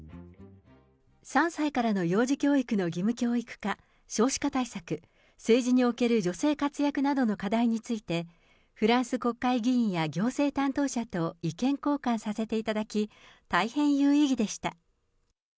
３歳からの幼児教育の義務教育化、少子化対策、政治における女性活躍などの課題について、フランス国会議員や行政担当者と意見交換させていただき、大変有意義でした。